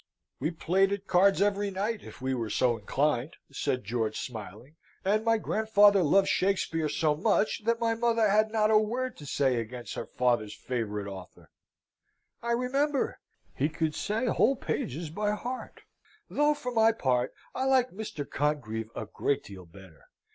"We played at cards every night, if we were so inclined," said George, smiling; "and my grandfather loved Shakspeare so much, that my mother had not a word to say against her father's favourite author." "I remember. He could say whole pages by heart; though, for my part, I like Mr. Congreve a great deal better.